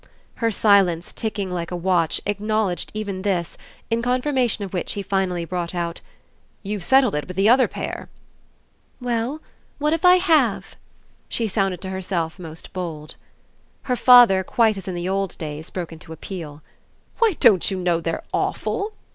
Her silence, ticking like a watch, acknowledged even this, in confirmation of which he finally brought out: "You've settled it with the other pair!" "Well, what if I have?" She sounded to herself most bold. Her father, quite as in the old days, broke into a peal. "Why, don't you know they're awful?"